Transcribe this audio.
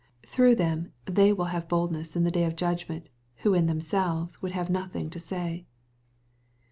— Through them they will have boldness in the day of judgment, who in themselves would have nothing to say.